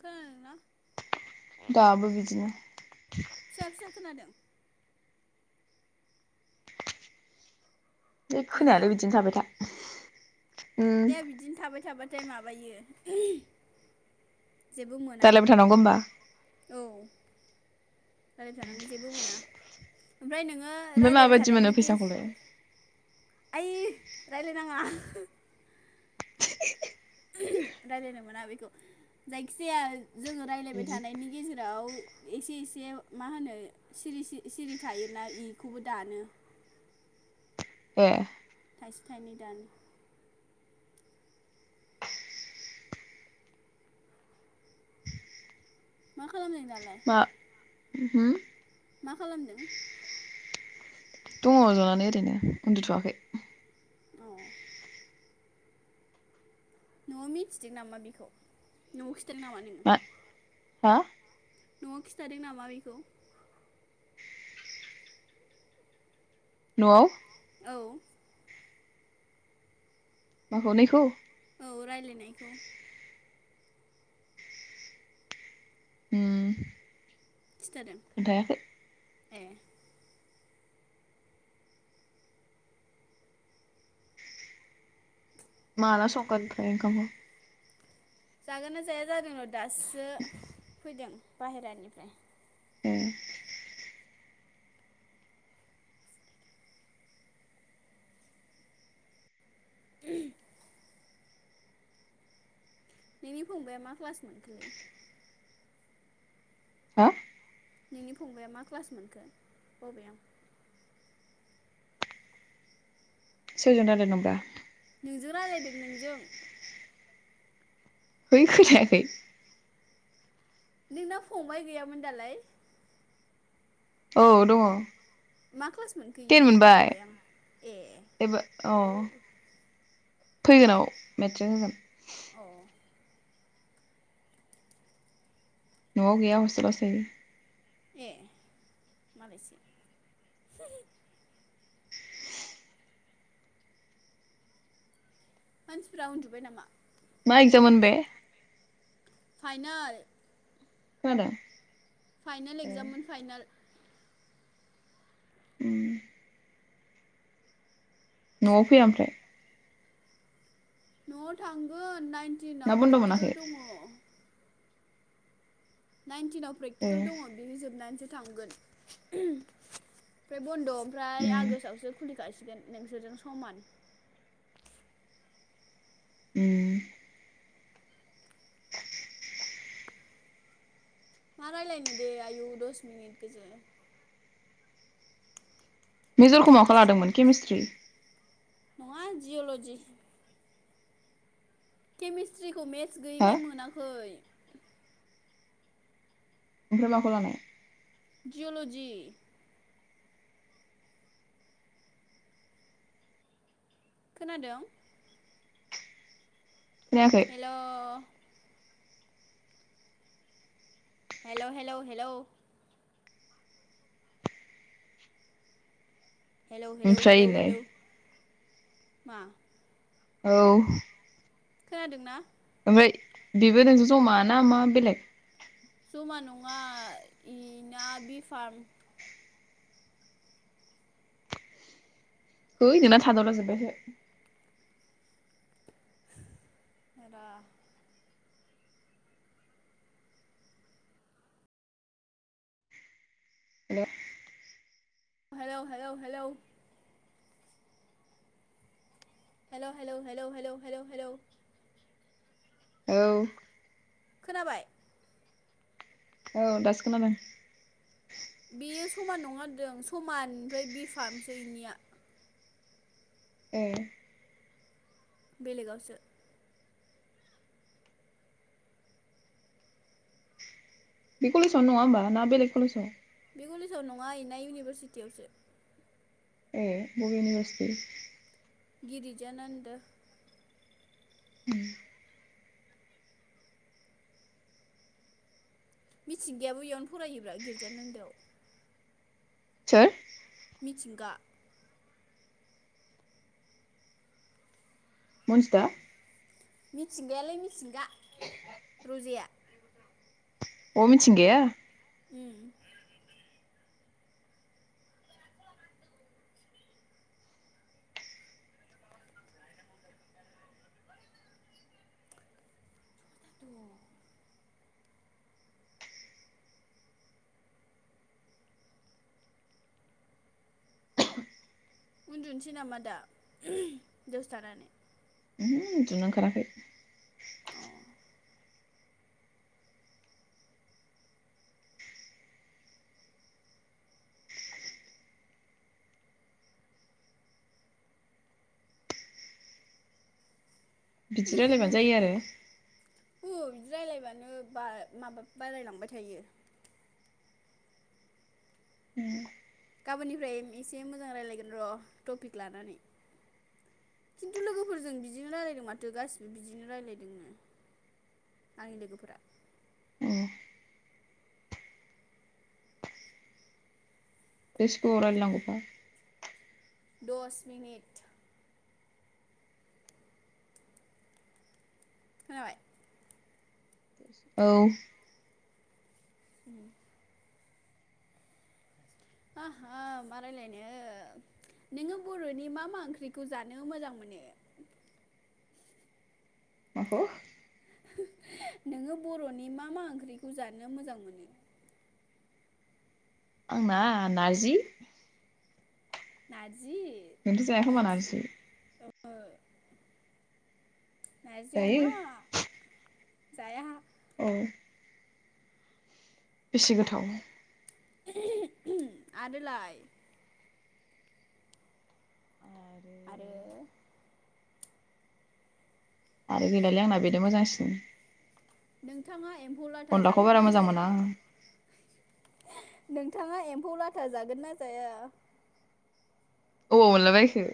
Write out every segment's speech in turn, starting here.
खोनादोंना? दाबो बिदिनो फिसा फिसा खोनादों। बे खोनायालाय बिदिनो थाबाय था उम दे बिदिनो थाबाय थाबा थाय माबायो! जेबो मोना दालायबाय थानांगौ होमबा औ। रायलायबाय थानांगौ जेबो मोना। ओमफ्राय नोङो ओमफ्राय रायज्लायबाय माबायदि मोनो थानायनि गे फैसाखौलाय आयै रायलायनाङा। रायज्लायनो मोना बेखौ जायखिजाया जोङो रायज्लायबाय बिदि थानायनि गेजेराव एसे एसे मा होनो सिरि सिरि थायोना इखौबो दानो। ए। थाइसे थाइनै दानो। मा खालामदों? दालाय मा? हो? मा खालामदों? दङ जनानै ओरैनो उन्दुथ'वाखै। अ। न'आव मिथिदों नामा बेखौ [unintelligible] नामा नोङो मा हा? न'आव खिन्थादों नामा बेखौ? न'आव औ। माखौ नैखौ औ रायलायनायखौ ओ। खिथादों खोनथायाखै। ए। माला संगोन ओमफ्राय ओंखामखौ? जागोन ना जाया जादोंल' दासो फैदों बाहेरानिफ्राय। ओ। [unintelligible] नोंनि फंबाया मा क्लास मोनखोलै? हो? नोंनि फंबाया मा क्लास मोनखो बबेयाव? सोरजों रायलायदोंब्रा? नोंजों रायज्लायदों नोंजों। है खोनायाखै। नोंना फंबाय गैयामोन दालाय? औ दङ। मा क्लास मोनखो टेन इयो मोनबाय बावबाय आं ए एबार अ औ। फैगोनाव मेट्रिक होगोन। औ। न'आव गैया हसटेलावसो थायो ए मालायसो [unintelligible] मानसिफ्रा उन्दुबाय नामा? मा एकजाम मोन बे? फाइनाल खोनादों? फाइनल ए एक्जाममोन फाइनाल उम न'आव फैया ओमफ्राय न'आव थांगोन नाइन ना टिनाव बन्द' मोनाखै प्रेक्टिकेल दङ नाइनटिनाव ए प्रेक्टिकेल दङ बेनि जोबनानैसो थांगोन [unintelligible] ओमफ्राय बन्द' ओमफ्राय उम आगष्टआवसो खुलिखासि गोन नोंसोरजों समान उम मा रायलायनो दे आयु दस मिनिट गोजोन मेजरखौ माखौ दासो लादोंमोन केमिस्ट्रि? नङा जिय'लजि केमेस्ट्रिखौ मेथ स हो गैयैखाय मोनाखै ओमफ्राय माखौ लानाय? जिअल'जि खोनादों? खोनायाखै hello hello hello hello hello hello ओमफ्राय हेलौ इलाय हेलौ मा? औ खोनादोंना? फ्राय बेबो नोंजों जमा ना मा बेलेग जमा नङा इना बि फार्म है नोंना थाद'ला जोबबाय सो रा hello hello hello hello hello hello hello hello hello hello औ खोनाबाय? औ दासो खोनादों बेयो समान नङादों समान ओमफ्राय बि फार्मसो इनिया ए बेलेगावसो बे कलेजावनो नङा होमबा ना बेलेग कलेजाव बे कलेजाव नङा इना इउनिभारसिटियावसो ए बबे इउनिभारसिटि गिरिजानन्द उम मिथिंगायाबो इयावनो फरायोब्रा गिर्जानोन्दोआव सोर मिथिंगा मनजिदा मिथिंगायालै मिथिंगा रजेया अ मिथिंगाया उम द' उन्दुनोसै नामा दा उहम दोसे थानानै उम उन्दुनो ओंखाराखै अ बिदि रायलायबानो जायो आरो अ बिदि रायलायबानो बा माबा बारायलांबाय थायो उम गाबोननिफ्राय एसे मोजां रायजलायगोन र' टपिक लानानै खिन्थु लोगोफोरजों बिदिनो रायलायदों माथो गासिबो बिदिनो रायजलायदोंनो आंनि लोगोफोरा अ बेसे गोबाव रायलाय नांगौबा दस मिनिट खोनाबाय औ उम आ हा मा रायलायनो नोङो बर'नि मा मा ओंख्रिखौ जानो मोजां मोनो माखौ नोङो बर'नि मा मा ओंख्रिखौ जानो मोजां मोनो आंना नारजि नारजि नोंथ'' जायाखोमा नारजि [inaudible] नारजि जायो अमा जाया औ बेसे गोथाव आरोलाय आरो आरो आरो गैलालाय आंना बेनो मोजांसिन नोंथाङा एम्फौ लाथा अनलाखौ जागोन बारा ना मोजां मोना जाया आं नोंथाङा एम्फौ लाथा जागोन ना जाया अबाव मोनला बायखो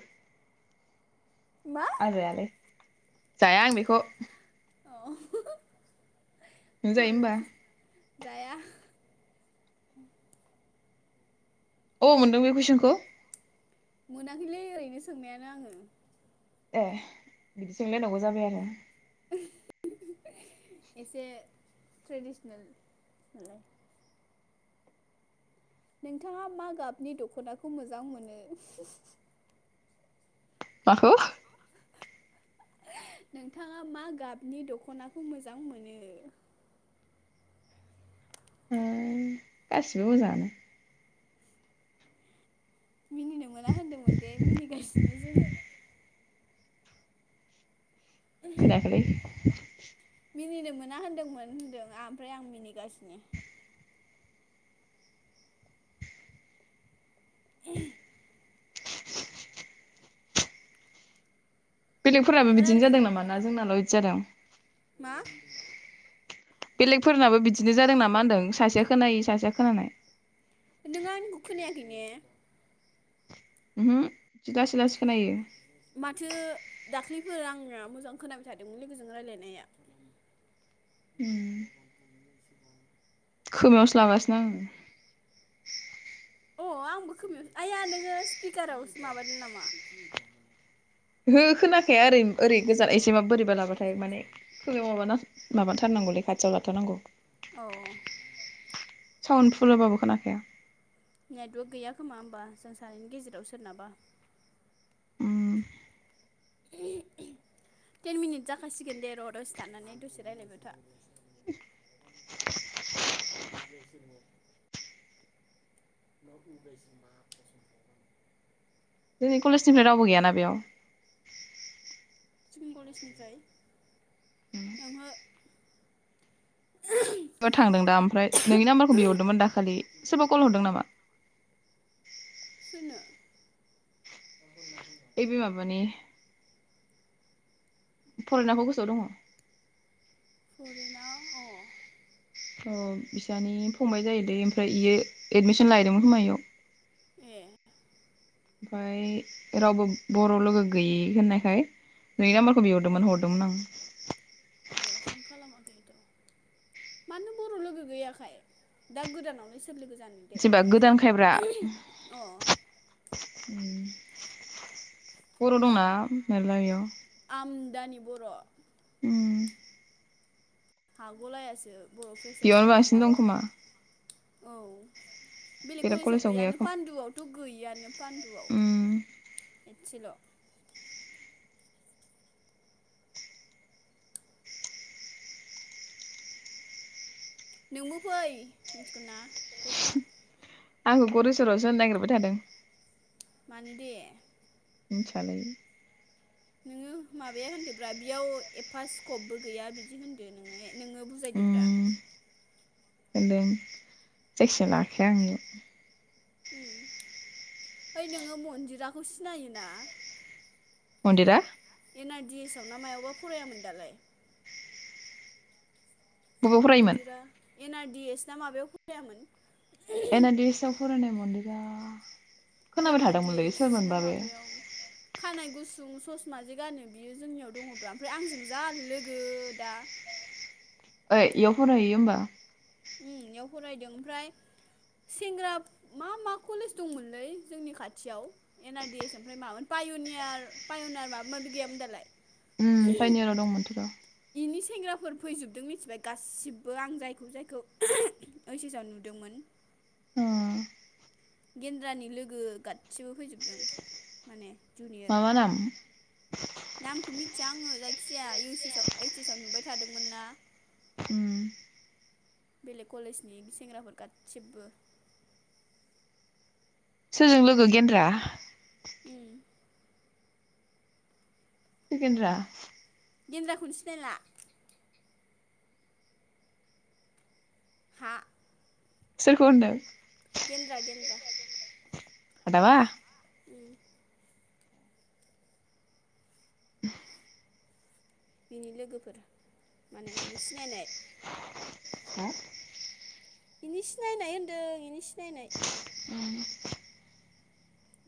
मा आं जायालै जाया आं बेखौ नों जायो अ होमबा जाया [unintelligible] अबाव मोनदों बे कुइसनखौ? मोनाखैलै ओरैनो सोंनायानो आङो ए बिदि सोंलायनांगौ जाबाय आरो [unintelligible] एसे ट्रेडिसनेल नोंथाङा मा गाबनि दख'नाखौ मोजां मोनो? माखौ? नोंथाङा मा गाबनि दख'नाखौ मोजां मोनो? गासिबो मोजाङानो मिनिनो मोना होनदोंमोन दे मिनिगासिनो जोङो खोनायाखैलै [inaudible] मिनिनो मोना होन्दोंमोन होनदों आं ओमफ्राय आं मिनिगासिनो [inaudible] बेलेगफोराबो मा बिदिनो रायलायबाय जादों थानो नामा ना जोंनाल' इदि जादों मा? बेलेग फोरनाबो बिदिनो जादों नामा होनदों सासेया खोनायै सासेया खोनानाय खैने उहु जि लासै लासै खोनायो माथो दाख्लैफोर आंना मोजां खोनाबाय थादोंमोन लोगोजों रायज्लायनाया उम खोमायावसो लागासिनो आङो अ आंबो खोमायावसो आइया नोङो स्पिकारावसो माबादों नाम ओहो खोना थारखाया ओरै ओरै गोजान एसे बाबो बोरैबा लाबाथाय माने खोमायाव माबाना माबाथारनांगौलै खाथियाव लाथारनांगौ औ सावन फुल होबाबो खोनाखाया नेटवर्क गैया खोमा होमबा जों सानैनि गेजेराव सोरनाबा उम टेन मिनिट जाखासिगोन दे र' दसे थानानै दसे रायलायबाय था [unintelligible] [unintelligible] जोंनि कलेजनिफ्राय रावबो गैयाना बेयाव? जोंनि कलेजनिफ्राय ओंहो सोरबा थांदों दा ओमफ्राय नोंनि नाम्बारखौ बिहरदोंमोन दाखालि सोरबा कल हरदों नामा? सोरनो? एबे माबानि फरानाखौ गोसोआव दङ? फरेनाव अ अ बिसानि फंबाय जायो दैे ओमफ्राय बियो एडमिसन लाहैदोंमोन खोमा इयाव। ए। ओमफाय रावबो बर' लोगो गैयि होननायखाय नोंनि नाम्बारखौ बिहरदोंमोन हरदोंमोन आं। ए फन खालामाखैथ' मानो बर' लोगो गैयाखाय दा गोदानावलाय सोर लोगो जानो दे जेनेबा गोदान खायब्रा। अ बर' दंना मेर्ला बे आमदानि बर'। उम हागलायासो बर' बेयावनो फ्रेसार्सआव बांसिन दं माबा खोमा? औ। बेलेग कलेजाव गैयानो पान्दुआवथ' गैय गैयानो पान्दुआव। उम मोनसेल' नोंबो फै मिथिगौ ना फैखा। आंखौ गरेस्वराव होनो नागिरबाय थादों। मानो दे? मिनथिया लै? नोङो माबाया होनदोब्रा बियाव एफा स्कपबो गैया बिदि होनदो नोङो नोङो उम बुजायदोब्रा। होनदों जायखिया लाखाया आङो इयाव। उम। ओइ नोङो मन्दिराखौ सिनायोना? मन्दिरा? एन आ डि एस आव ना मायावबा फरायामोन दालाय। बबाव फरायोमोन मनदिरा एन आ दि एस दा माबायाव फ [unintelligible] रायामोन एन आ दि एसआव फरायनाय मनदिरा एन आ डि एस ना माबायाव खानाय गुसुं गुसुं ससमा जे गानो बियो जोंनियाव दङब्रा ओमफ्राय आंजों जा लोगो दा ओइ इयाव फरायहैयो होमबा। उम इयाव फरायदों ओमफ्राय सेंग्रा मा मा कलेज दंमोनलै जोंनि खाथियाव एन आ डि एस ओमफ्राय मामोन पायनियार पायनियार माबा माबि गैयामोन दालाय। उम पायनियार आव दंमोनथ' र'। इनि सेंग्राफोर फैजोबदों मिथिबाय गासिबो आं जायखौ जायखौ ओइस एस आव नुदोंमोन। अ' गेन्द्रानि लोगो गासिबो फैजोबदों माने मा जुनियर मा नाम? [inaudible] नामखौ मिथिया आङो जायखिजाया इउ सिस आव ओइस एस आव नुबाय थादोंमोन ना उम। बेलेग कलेजनि सेंग्राफोर गासिबो सोरजों लोगो गेन्द्रा उम सोर गेनद्रा? गेन्द्राखौनो सिनायला हा सोरखौ होनदों? गेद्रा गेद्रा। हादाबा [inaudible] बिनि लोगोफोर। माने इनि सिनायनाय हा इनि सिनायनाय होन्दों इनि सि नायनाय उम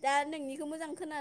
दा नोंनिखौ मोजां खोना